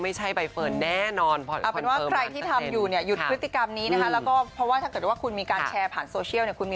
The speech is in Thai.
ไม่หรอกเพราะบางทีหัวเล็กตัวใหญ่